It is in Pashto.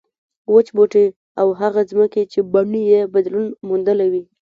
وچ بوټي او هغه ځمکې چې بڼې یې بدلون موندلی وي.